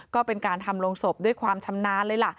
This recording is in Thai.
ก็เป็นการทำโรงศพด้วยความชำนาญเลยล่ะ